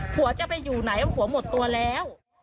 ผัวจะไปอยู่ไหนว่าผัวหมดตัวแล้ว